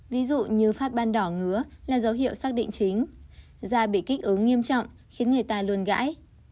ví dụ như phát ban đỏ ngứa là dấu hiệu xác định chính da bị kích ứng nghiêm trọng khiến người ta luôn gãy